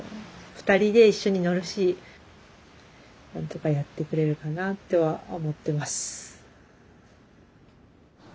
２人で一緒に乗るし何とかやってくれるかなとは思ってます。